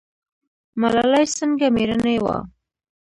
ملالۍ څنګه میړنۍ وه؟